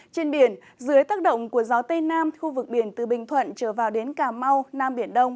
trên biển dưới tác động của gió tây nam khu vực biển từ bình thuận trở vào đến cà mau nam biển đông